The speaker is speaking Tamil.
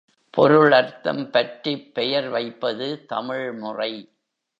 பொருள் அர்த்தம் பற்றிப் பெயர் வைப்பது தமிழ்முறை.